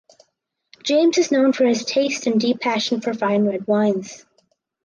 James is known for his taste and deep passion for fine red wines.